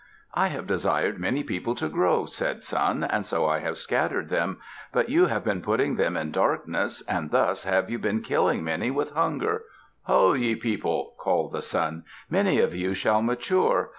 "I have desired many people to grow," said Sun, "and so I have scattered them; but you have been putting them in darkness and thus have you been killing many with hunger. Ho! ye people!" called the Sun. "Many of you shall mature.